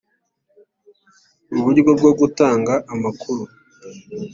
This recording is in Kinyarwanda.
uburyo bwo gutanga amakuru